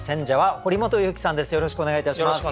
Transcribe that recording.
よろしくお願いします。